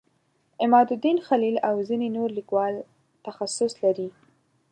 عمادالدین خلیل او ځینې نور لیکوال تخصص لري.